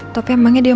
tapi emangnya dia mau